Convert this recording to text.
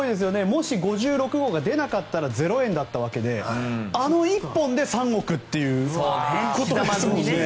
もし、５６号が出なかったら０円だったわけであの１本で３億ということに。